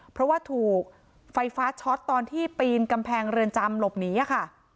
เพราะว่าถูกไฟฟ้าช็อตตอนที่ปีนกำแพงเรือนจำหลบหนีค่ะ